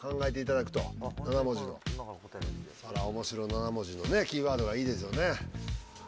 そら面白７文字のねキーワードがいいですよね。